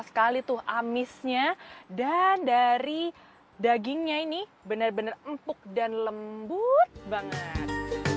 sekali tuh amisnya dan dari dagingnya ini benar benar empuk dan lembut banget